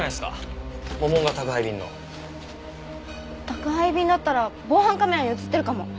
宅配便だったら防犯カメラに映ってるかも。